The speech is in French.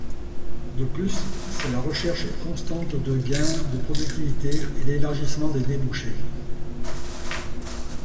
De plus c'est la recherche constante de gains de productivité et l'élargissement des débouchés.